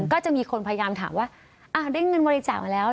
ก็จะมีคนพยายามถามว่าได้เงินบริจาคมาแล้ว